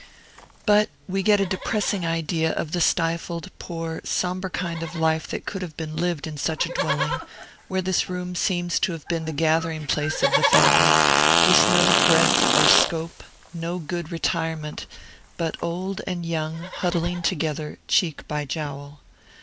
But we get a depressing idea of the stifled, poor, sombre kind of life that could have been lived in such a dwelling, where this room seems to have been the gathering place of the family, with no breadth or scope, no good retirement, but old and young huddling together cheek by jowl.